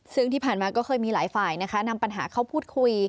ซึ่งที่ผ่านมาก็เคยมีหลายฝ่ายนะคะนำปัญหาเข้าพูดคุย